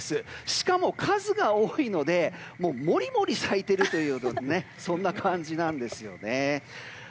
しかも数が多いのでもりもり咲いているというそんな感じなんですよね。